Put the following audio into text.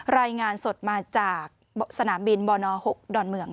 รายงานสดมาจากสนามบินบน๖ดอนเมือง